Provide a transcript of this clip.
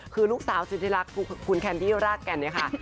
คือลูกสาวสุธิรักคุณแคนดี้รากแก่นเนี่ยค่ะ